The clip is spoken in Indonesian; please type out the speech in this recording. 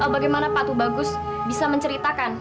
bagaimana pak tu bagus bisa menceritakan